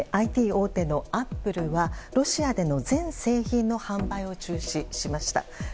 ＩＴ大手のアップルはロシアでの全製品の販売を中止しました。